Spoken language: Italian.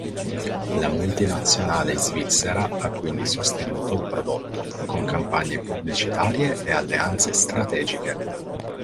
La multinazionale svizzera ha quindi sostenuto il prodotto con campagne pubblicitarie e alleanze strategiche.